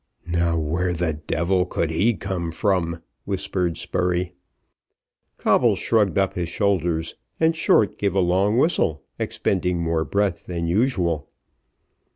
"Now where the devil could he come from?" whispered Spurey. Coble shrugged up his shoulders, and Short gave a long whistle expending more breath than usual.